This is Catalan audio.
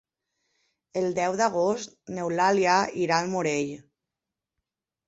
El deu d'agost n'Eulàlia irà al Morell.